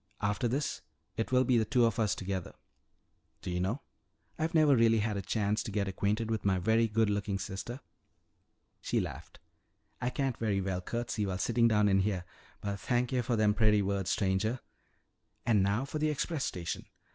After this it will be the two of us together. Do you know, I've never really had a chance to get acquainted with my very good looking sister." She laughed. "I can't very well curtsy while sitting down in here, but 'thank yuh for them purty words, stranger.' And now for the express station.